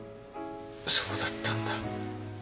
そうだったんだ。